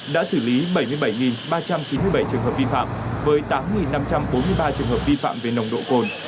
đã xử lý bảy mươi bảy ba trăm chín mươi bảy trường hợp vi phạm với tám năm trăm bốn mươi ba trường hợp vi phạm về nồng độ cồn